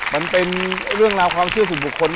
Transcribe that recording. มันเป็นเรื่องราวความเชื่อส่วนบุคคล